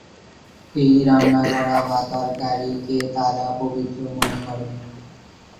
এই রান্না করা ভাত-তরকারীকে তারা পবিত্র মনে করে।